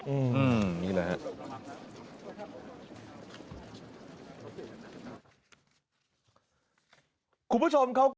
อืมนี่แหละครับ